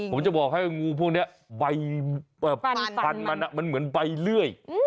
ผมจะบอกให้งูพวกนี้ใบฟันมันมันเหมือนใบเลื่อย